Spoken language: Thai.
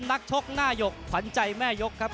นักชกหน้าหยกขวัญใจแม่ยกครับ